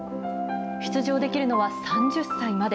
出場できるのは３０歳まで。